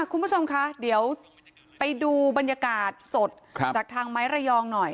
คุณผู้ชมคะเดี๋ยวไปดูบรรยากาศสดจากทางไม้ระยองหน่อย